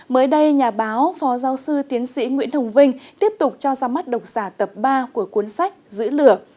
mới đây nhà báo phó giáo sư tiến sĩ nguyễn hồng vinh tiếp tục cho ra mắt độc giả tập ba của cuốn sách giữ lửa